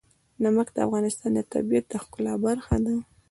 نمک د افغانستان د طبیعت د ښکلا برخه ده.